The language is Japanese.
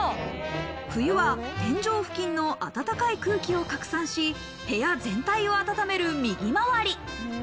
冬は天井付近の暖かい空気を拡散し、部屋全体を暖める右回り。